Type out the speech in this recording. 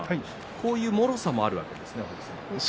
こういうもろさもあるんですね。